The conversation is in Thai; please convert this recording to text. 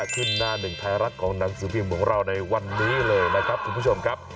หน้าหนึ่งไทยรัฐของหนังสือพิมพ์ของเราในวันนี้เลยนะครับคุณผู้ชมครับ